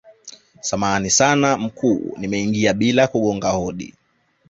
samahani sana mkuu nimeingia bila kugonga hodi